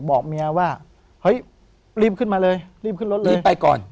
บอกเมียว่าเฮ้ยรีบขึ้นมาเลยรีบขึ้นรถเลยรีบไปก่อน